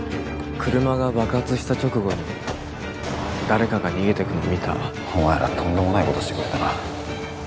車が爆発した直後に誰かが逃げてくの見たお前らとんでもないことしてくれたな